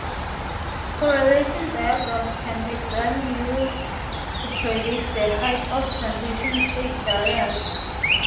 Correlation diagrams can then be used to predict the height of transition state barriers.